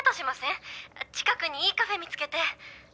近くにいいカフェ見つけて